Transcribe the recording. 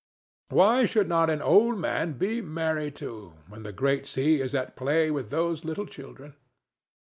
Why should not an old man be merry too, when the great sea is at play with those little children?